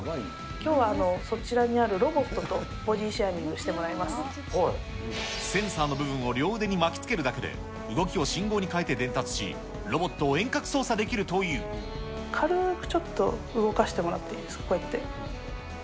きょうは、そちらにあるロボットとボディシェアリングしてもセンサーの部分を両腕に巻きつけるだけで、動きを信号に変えて伝達し、ロボットを遠隔操作で軽くちょっと動かしてもらっていいですか、こうやって。